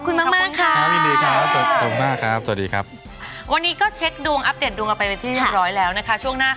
คนที่เกิดปีมาเมียครับ